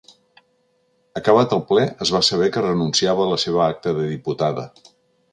Acabat el ple es va saber que renunciava a la seva acta de diputada.